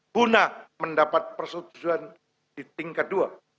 guna mendapat persetujuan di tingkat dua